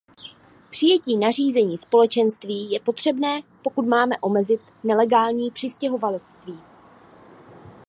Přijetí nařízení Společenství je potřebné, pokud máme omezit nelegální přistěhovalectví.